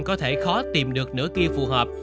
có thể khó tìm được nửa kia phù hợp